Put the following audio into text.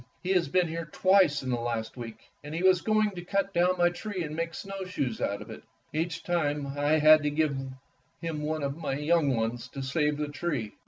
"He has been here twice in the last week, and he was going to cut down my tree to make snowshoes out of it. Each time I had to give him one of my young ones to save the tree."